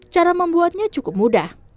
cara membuatnya cukup mudah